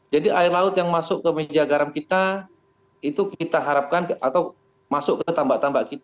jadi air laut yang masuk ke meja garam kita itu kita harapkan atau masuk ke tambak tambak